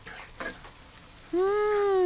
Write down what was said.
うん！